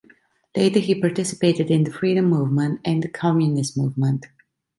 Later he participated in the freedom movement and the Communist Movement.